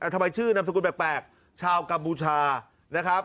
ทำไมชื่อนามสกุลแปลกชาวกัมพูชานะครับ